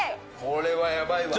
これはやばいわ。